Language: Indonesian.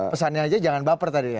pesannya aja jangan baper tadi ya